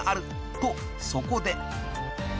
［とそこで］